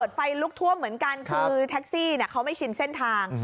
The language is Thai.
ไฟลุกท่วมเหมือนกันคือแท็กซี่เขาไม่ชินเส้นทาง